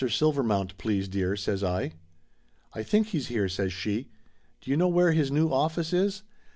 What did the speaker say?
Silvermount, please, dear!" says I. "I think he's here," says she. "Do you know where his new office is